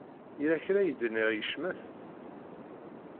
Yella kra i d-nniɣ yecmet?